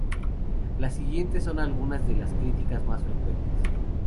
Las siguientes son algunas de las críticas más frecuentes.